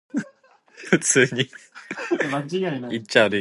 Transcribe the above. Its themes of "hope and salvation" and optimism also appear throughout the album.